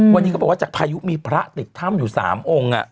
วันนี้เขาบอกว่าจากพายุมีพระติดถ้ำอยู่๓องค์